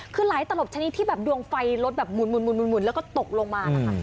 คือหลายตะลบชนิดที่ดวงไฟรถมุนแล้วก็ตกลงมา